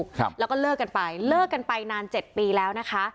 ครับแล้วก็เลิกกันไปเลิกกันไปนานเจ็ดปีแล้วนะคะ